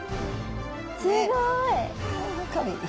すごい！